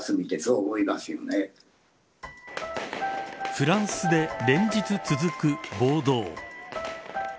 フランスで連日続く暴動。